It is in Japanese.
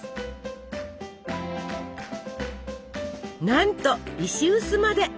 なんと石臼まで！